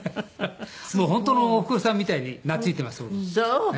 もう本当のおふくろさんみたいに懐いてます僕。